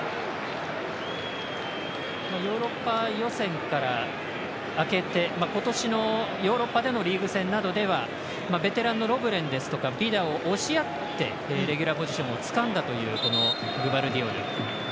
ヨーロッパ予選から明けて今年のヨーロッパでのリーグ戦ではベテランのロブレンなどを押しやってレギュラーポジションをつかんだというグバルディオル。